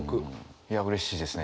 いやうれしいですね。